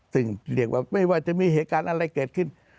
ซึ่งเรียกว่าไม่ว่าจะมีเหตุการณ์อะไรเกิดขึ้น